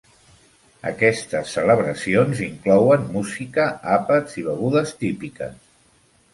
Aquestes celebracions inclouen música, àpats i begudes típiques.